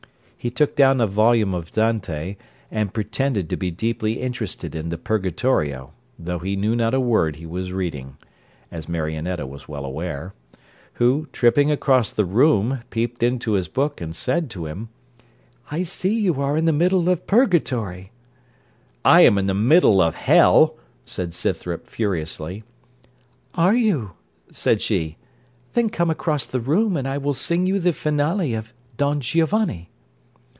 He took down a volume of Dante, and pretended to be deeply interested in the Purgatorio, though he knew not a word he was reading, as Marionetta was well aware; who, tripping across the room, peeped into his book, and said to him, 'I see you are in the middle of Purgatory.' 'I am in the middle of hell,' said Scythrop furiously. 'Are you?' said she; 'then come across the room, and I will sing you the finale of Don Giovanni.'